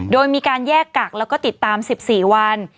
โดยมีการแยกกักแล้วก็ติดตาม๑๔วัน